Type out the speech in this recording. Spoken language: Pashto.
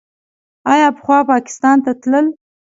آیا پخوا پاکستان ته تلل؟